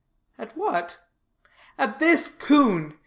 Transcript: "At what?" "At this coon.